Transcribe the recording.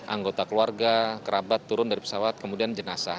anggota keluarga kerabat turun dari pesawat kemudian jenazah